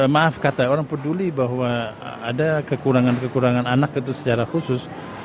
maaf kata orang peduli bahwa ada kekurangan kekurangan anak itu secara khusus